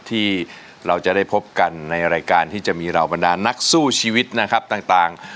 ที่เราจะได้พบกันในรายการที่จะมีเหล่าบรรดานักสู้ชีวิตนะครับต่าง